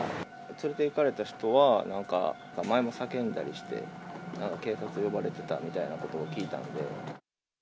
連れていかれた人は、なんか、前も叫んだりして、警察呼ばれてたみたいなことを聞いたんで。